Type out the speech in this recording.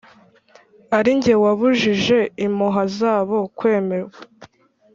Ari jye wabujije impuha zabo kwemerwa.